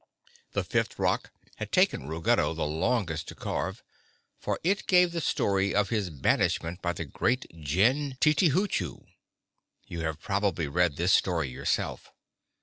The fifth rock had taken Ruggedo the longest to carve, for it gave the story of his banishment by the Great Jinn Titihoochoo. You have probably read this story yourself.